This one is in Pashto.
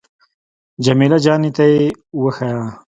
جمیله جانې ته يې وښيه.